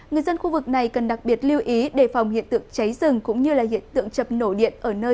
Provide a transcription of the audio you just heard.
người dân khu vực này cần đặc biệt lưu ý để phòng hiện tượng cháy rừng cũng như hiện tượng chập nổ điện ở nơi dân cư đông đúc